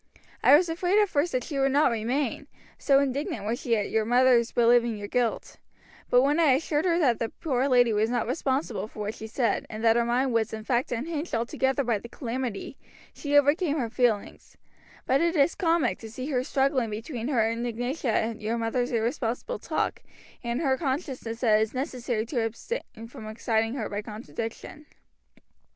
I was afraid at first that she would not remain, so indignant was she at your mother's believing your guilt; but when I assured her that the poor lady was not responsible for what she said, and that her mind was in fact unhinged altogether by the calamity, she overcame her feelings; but it is comic to see her struggling between her indignation at your mother's irresponsible talk and her consciousness that it is necessary to abstain from exciting her by contradiction."